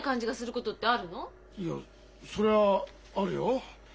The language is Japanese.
いやそりゃあるよ。